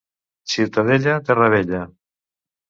Ciutadella, terra bella.